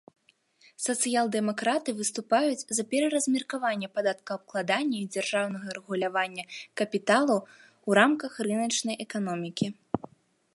Сацыял-дэмакраты выступаюць за пераразмеркаванне падаткаабкладання і дзяржаўнага рэгулявання капіталу ў рамках рыначнай эканомікі.